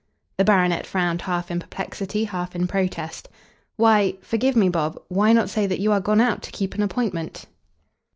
The baronet frowned half in perplexity, half in protest. "Why forgive me, Bob why not say that you are gone out to keep an appointment?"